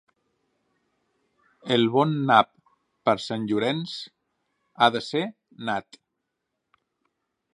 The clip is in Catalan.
El bon nap, per Sant Llorenç ha de ser nat.